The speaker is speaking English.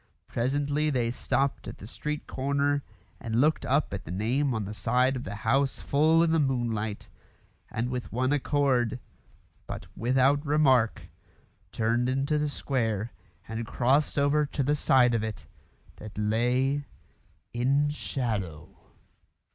Presently they stopped at the street corner and looked up at the name on the side of the house full in the moonlight, and with one accord, but without remark, turned into the square and crossed over to the side of it that lay in shadow.